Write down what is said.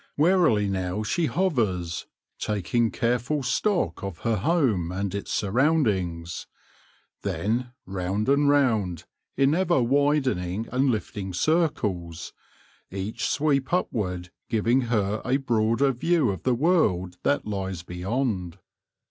Warily now she hovers, taking careful stock of her home and its surroundings. Then round and round, in ever widening and lifting circles, each sweep upward giving her a broader view of the world that lies beyond.